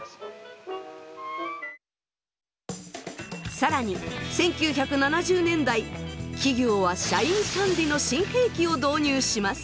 更に１９７０年代企業は社員管理の新兵器を導入します。